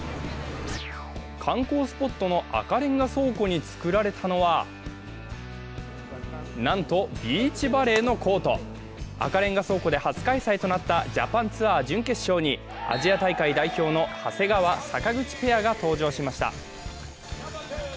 観光スポットの赤レンガ倉庫に作られたのはなんと、ビーチバレーのコート。赤レンガ倉庫で初開催となったジャパンツアー準決勝に、アジア大会の長谷川・坂口ペアが登場しました。